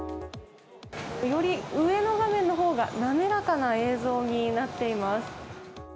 より上の画面のほうが滑らかな映像になっています。